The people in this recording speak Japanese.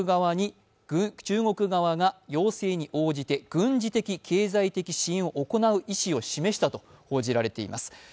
中国側が要請に応じて軍事的・経済的支援を行う意思を示したと報じられています。